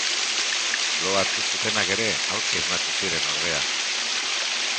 Lo hartu zutenak ere aurki esnatu ziren ordea.